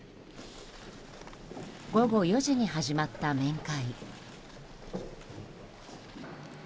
午後４時に始まった面会。